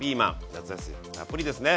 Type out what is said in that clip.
夏野菜たっぷりですね。